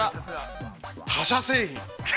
他社製品。